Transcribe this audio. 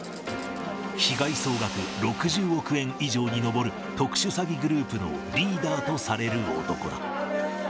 被害総額６０億円以上に上る特殊詐欺グループのリーダーとされる男だ。